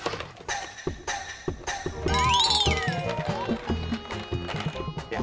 mecah tur yuk